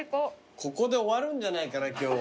ここで終わるんじゃないかな今日。